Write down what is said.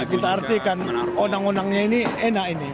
kalau bisa kita artikan onang onangnya ini enak ini